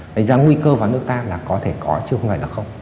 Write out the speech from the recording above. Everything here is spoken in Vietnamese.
đấy ra nguy cơ vào nước ta là có thể có chứ không phải là không